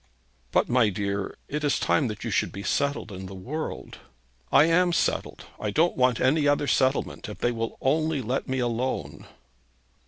'But, my dear, it is time that you should be settled in the world.' 'I am settled. I don't want any other settlement, if they will only let me alone.'